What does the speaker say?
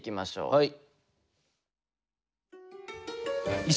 はい。